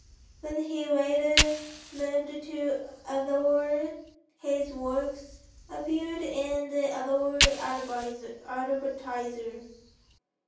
When he later moved to Alloa his works appeared in the Alloa Advertiser.